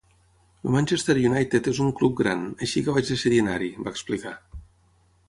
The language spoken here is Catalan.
"El Manchester United és un club gran, així que vaig decidir anar-hi", va explicar.